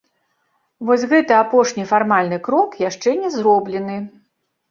Вось гэты апошні фармальны крок яшчэ не зроблены.